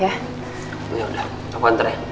yaudah aku hantar ya